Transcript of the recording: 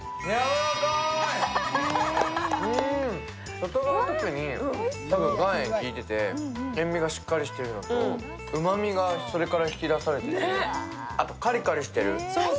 外側、特に岩塩きいてて、塩みがしっかりしていると、うまみがそれによって引き出されていて、あとカリカリしてる。